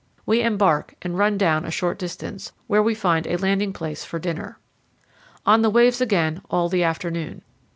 145 We embark and run down a short distance, where we find a landing place for dinner. On the waves again all the afternoon.